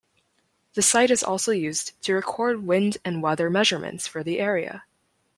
The site is also used to record wind and weather measurements for the area.